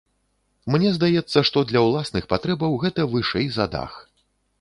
Мне здаецца, што для ўласных патрэбаў гэта вышэй за дах.